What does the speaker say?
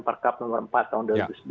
perkap nomor empat tahun dua ribu sebelas